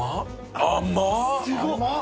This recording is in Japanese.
甘っ。